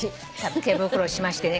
手袋しましてね。